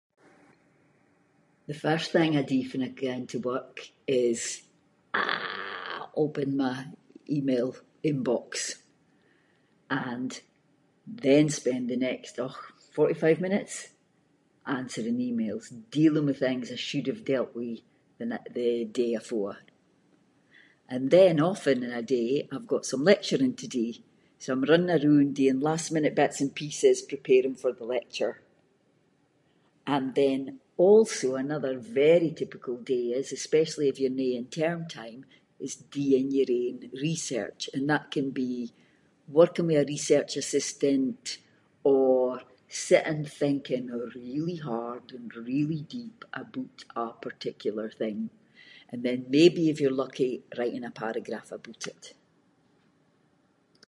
The first thing I do fann I go into work is, ah, open my email inbox, and then spend the next, och, forty-five minutes answering emails, dealing with things I should’ve dealt with the n- the day afore, and then often in a day I’ve got some lecturing to do, so I’m running aroond doing last minute bits and pieces preparing for the lecture, and then also another very typical day is, especially if you’re no in term time is doing your own research and that can be working with a research assistant, or sitting thinking really hard and really deep aboot a particular thing, and then maybe if you’re lucky writing a paragraph aboot it.